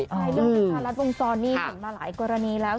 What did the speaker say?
ใช่เรื่องประชารัฐวงจรนี่เห็นมาหลายกรณีแล้ว